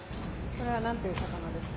これは何という魚ですか。